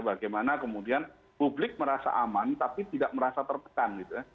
bagaimana kemudian publik merasa aman tapi tidak merasa tertekan gitu ya